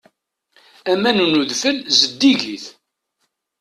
Aman n udfel zeddigit.